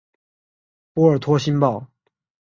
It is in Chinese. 波尔托新堡。